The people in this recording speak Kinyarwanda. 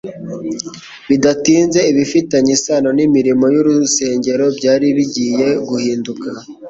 Bidatinze ibifitanye isano n'imirimo y'urusengero byari bigiye guhinduka;